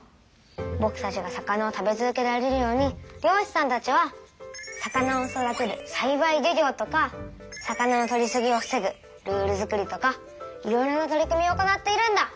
ぼくたちが魚を食べ続けられるように漁しさんたちは「魚を育てる『さいばい漁業』」とか「魚のとりすぎを防ぐルールづくり」とかいろいろな取り組みを行っているんだ！